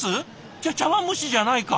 じゃあ茶わん蒸しじゃないか。